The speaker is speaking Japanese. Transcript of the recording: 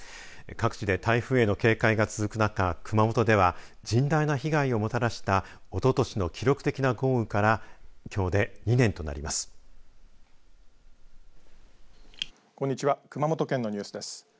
各地で台風への警戒が続く中、熊本では甚大な被害をもたらしたおととしの記録的な豪雨からきょうで２年となります。